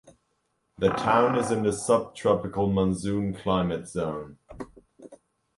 The town is in the subtropical monsoon climate zone.